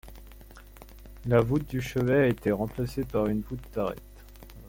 La voûte du chevet a été remplacée par une voûte d'arêtes.